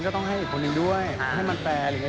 ก็ต้องให้อีกคนนึงด้วยให้มันแปลอะไรอย่างนี้